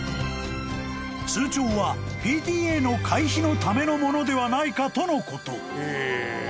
［通帳はＰＴＡの会費のための物ではないかとのこと］